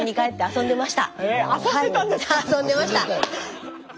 遊んでました！